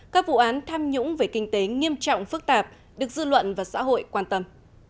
các vụ án tham nhũng về kinh tế nghiêm trọng phức tạp được dư luận và xã hội quan tâm